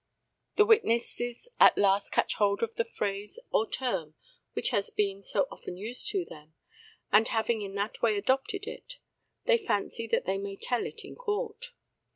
the witnesses at last catch hold of the phrase or term which has been so often used to them, and having in that way adopted it, they fancy that they may tell it in court.